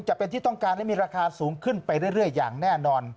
จะเป็นที่ต้องการให้มีราคาสูงขึ้นไปเรื่อยอย่างแน่นอน